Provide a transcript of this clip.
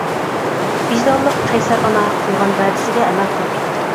ۋىجدانلىق قەيسەر ئانا قىلغان ۋەدىسىگە ئەمەل قىلدى.